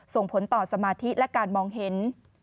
ส่งผลต่อสมาธิและการมองเห็น